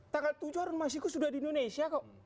tanggal tujuh harun masiku sudah di indonesia kok